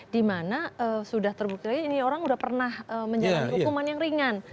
dimana sudah terbukti lagi ini orang sudah pernah menjalani hukuman yang ringan